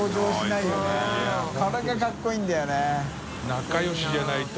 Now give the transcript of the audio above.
仲良しじゃないと。